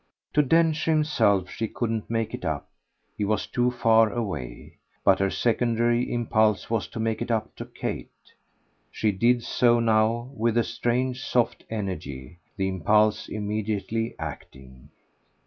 To Densher himself she couldn't make it up he was too far away; but her secondary impulse was to make it up to Kate. She did so now with a strange soft energy the impulse immediately acting.